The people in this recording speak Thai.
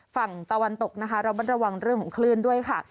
ฝั่งตะวันตกนะคะระมัดระวังเรื่องของคลื่นด้วยค่ะ